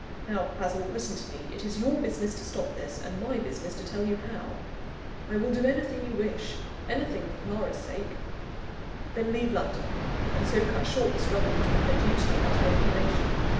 Now, Basil, listen to me: it is your business to stop this, and my business to tell you how." "I will do anything you wish anything for Clara's sake!" "Then leave London; and so cut short the struggle between her duty and her inclination.